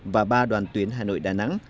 và ba đoàn tuyến hà nội đà nẵng